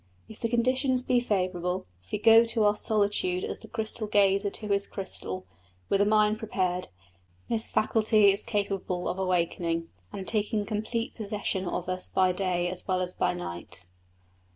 If the conditions be favourable, if we go to our solitude as the crystal gazer to his crystal, with a mind prepared, this faculty is capable of awaking and taking complete possession of us by day as well as by night.